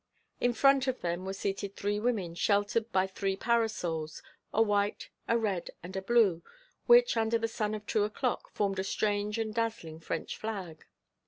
In front of them were seated three women, sheltered by three parasols, a white, a red, and a blue, which, under the sun of two o'clock, formed a strange and dazzling French flag.